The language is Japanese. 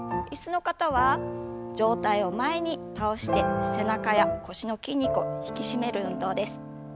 椅子の方は上体を前に倒して背中や腰の筋肉を引き締める運動です。